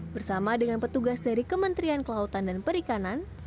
bersama dengan petugas dari kementerian kelautan dan perikanan